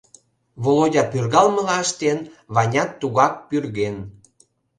Володя пӱргалмыла ыштен — Ванят тугак пӱрген.